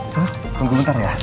sus tunggu sebentar ya